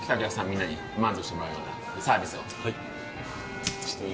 みんなに満足してもらえるようなサービスをしていこうぜ！